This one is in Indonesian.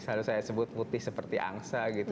selalu saya sebut putih seperti angsa gitu